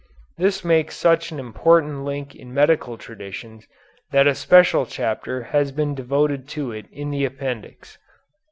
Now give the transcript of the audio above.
This makes such an important link in medical traditions that a special chapter has been devoted to it in the Appendix.